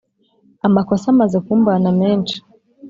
Amakosa amaze kumbana menshi